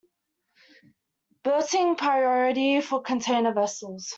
Berthing priority for container vessels.